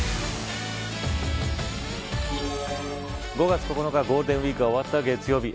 ５月９日ゴールデンウイークが終わった月曜日。